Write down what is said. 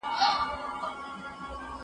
ایا ته غواړې چي په علمي ډګر کي پرمختګ وکړې؟